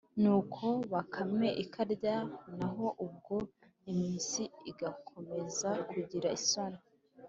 nuko bakame ikarya, naho ubwo impyisi igakomeza kugira isoni,